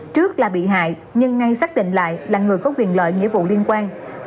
trước là bị hại nhưng ngay xác định lại là người có quyền lợi nghĩa vụ liên quan